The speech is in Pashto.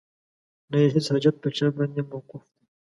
نه یې هیڅ حاجت په چا باندې موقوف دی